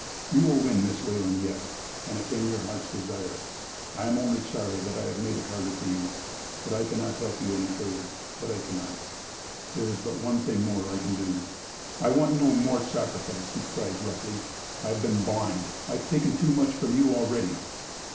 You will win Miss Wayland yet, and attain your heart's desire. I am only sorry that I have made it harder for you that I cannot help you any further. But I cannot. There is but one thing more I can do " "I want no more sacrifice!" he cried, roughly. "I've been blind. I've taken too much from you already."